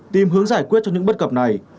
tìm hướng giải quyết cho những bất cập này